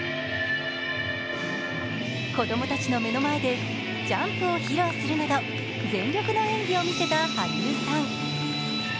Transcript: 子供たちの目の前でジャンプを披露するなど、全力の演技をみせた羽生さん。